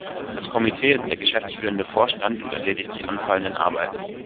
Das Komitee ist der geschäftsführende Vorstand und erledigt die anfallenden Arbeiten.